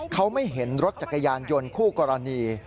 เขาไม่เห็นรถจักรยานยนต์คู่กรณี